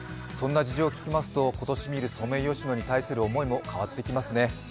そんな事情を聞きますと今年見るソメイヨシノに対する思いも変わってきますね。